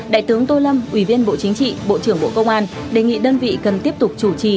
đại tướng tô lâm ủy viên bộ chính trị bộ trưởng bộ công an đề nghị đơn vị cần tiếp tục chủ trì